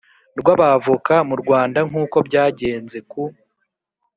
Rw’abavoka mu Rwanda nk’uko byagenze ku